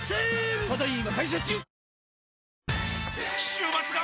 週末が！！